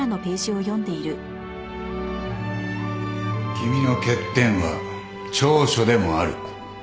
君の欠点は長所でもある。